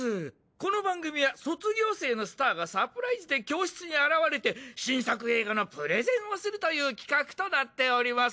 この番組は卒業生のスターがサプライズで教室に現れて新作映画のプレゼンをするという企画となっております。